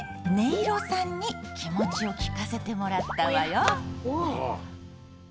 いろさんに気持ちを聞かせてもらったわよ。